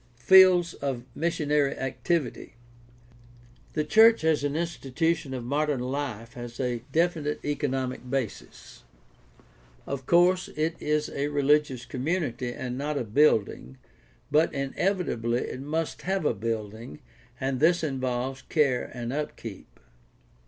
FIELDS OF MISSIONARY ACTIVITY The church as an institution of modern life has a definite economic basis. Of course it is a rehgious community and not a building, but inevitably it must have a building, and this involves care and upkeep.